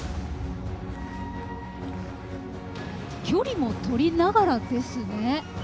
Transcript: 距離も取りながらですね。